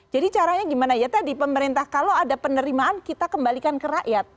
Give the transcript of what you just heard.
jadi caranya gimana ya tadi pemerintah kalau ada penerimaan kita kembalikan ke rakyat